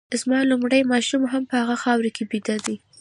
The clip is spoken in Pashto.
زما لومړی ماشوم هم په هغه خاوره کي بیده دی